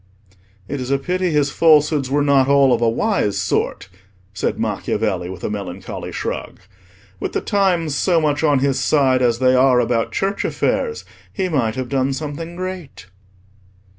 "It is a pity his falsehoods were not all of a wise sort," said Macchiavelli, with a melancholy shrug. "With the times so much on his side as they are about Church affairs, he might have done something great."